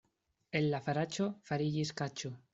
El la faraĉo fariĝis kaĉo.